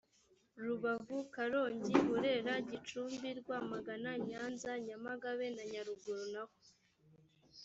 rubavu karongi burera gicumbi rwamagana nyanza nyamagabe na nyaruguru naho